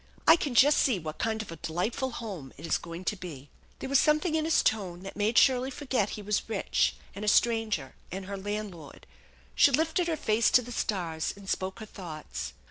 I can just see what kind of a delightful home it is going to be." THE ENCHANTED BARN There was something in his tone that made Shirley forget he was rich and a stranger and her landlord. She lifted her face to the stars, and spoke her thoughts.